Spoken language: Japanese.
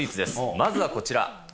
まずはこちら。